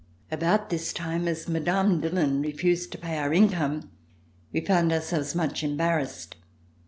About this time, as Mme. Dillon refused to pay our income, we found ourselves much embarrassed.